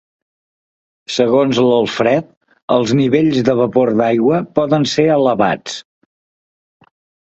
Segons l'Alfred, els nivells de vapor d'aigua poden ser elevats.